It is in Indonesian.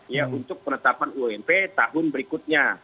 ya untuk penetapan ump tahun berikutnya